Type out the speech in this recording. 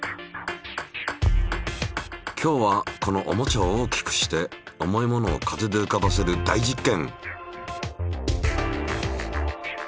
今日はこのおもちゃを大きくして重いものを風で浮かばせる大実験。